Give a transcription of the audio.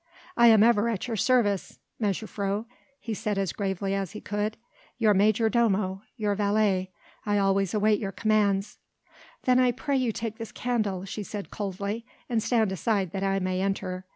"I am ever at your service, mejuffrouw," he said as gravely as he could, "your major domo, your valet ... I always await your commands." "Then I pray you take this candle," she said coldly, "and stand aside that I may enter.